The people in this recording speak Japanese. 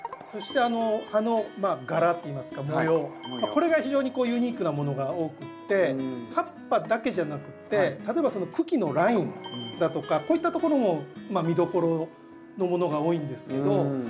そしてあの葉の柄といいますか模様これが非常にユニークなものが多くて葉っぱだけじゃなくて例えばその茎のラインだとかこういったところもまあ見どころのものが多いんですけど。